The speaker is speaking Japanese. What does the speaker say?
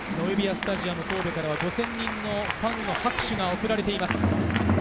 スタジアム神戸からは５０００人のファンの拍手が送られています。